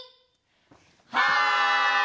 はい！